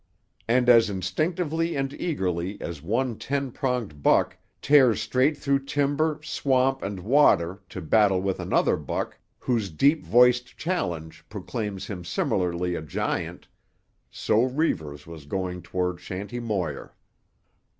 And as instinctively and eagerly as one ten pronged buck tears straight through timber, swamp and water to battle with another buck whose deep voiced challenge proclaims him similarly a giant, so Reivers was going toward Shanty Moir.